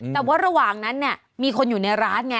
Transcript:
แต่ว่าระหว่างนั้นเนี่ยมีคนอยู่ในร้านไง